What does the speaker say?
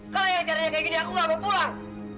kalau eyang acaranya kayak gini aku nggak mau pulang